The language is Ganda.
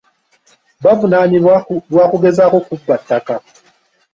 Bavunaanibwa lwa kugezaako kubba ttaka.